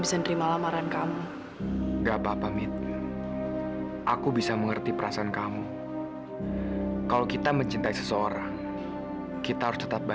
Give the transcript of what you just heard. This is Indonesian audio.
sampai jumpa di video selanjutnya